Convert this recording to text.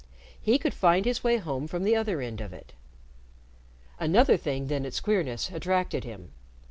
He could find his way home from the other end of it. Another thing than its queerness attracted him.